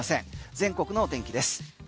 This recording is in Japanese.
全国の天気です。